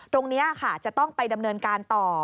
ตรงนี้ค่ะจะต้องไปดำเนินการต่อ